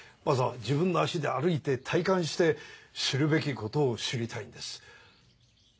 まずは自分の足で歩いて体感して知るべきことを知りたいんです。